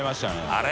あれ？